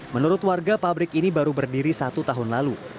menurut warga pabrik ini baru berdiri satu tahun lalu